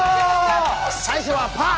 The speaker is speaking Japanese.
最初はパー！